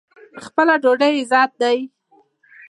خپله ډوډۍ عزت دی.